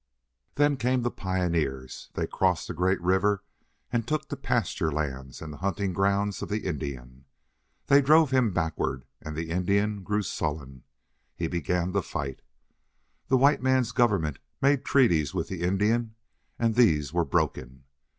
"Then came the pioneers. They crossed the great river and took the pasture lands and the hunting grounds of the Indian. They drove him backward, and the Indian grew sullen. He began to fight. The white man's government made treaties with the Indian, and these were broken.